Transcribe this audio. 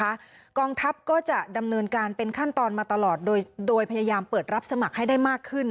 กองทัพก็จะดำเนินการเป็นขั้นตอนมาตลอดโดยโดยพยายามเปิดรับสมัครให้ได้มากขึ้น